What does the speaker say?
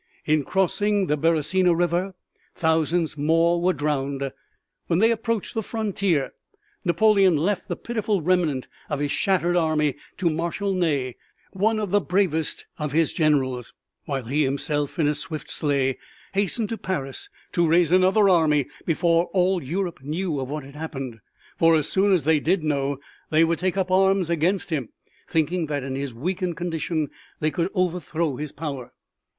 In crossing the Beresina River thousands more drowned. When they approached the frontier Napoleon left the pitiful remnant of his shattered army to Marshal Ney, one of the bravest of his generals, while he himself in a swift sleigh hastened to Paris to raise another army before all Europe knew of what had happened for as soon as they did know they would take up arms against him, thinking that in his weakened condition they could overthrow his power.